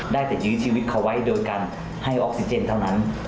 ได้แต่ยื้อชีวิตเขาไว้โดยการให้ออกซิเจนเท่านั้น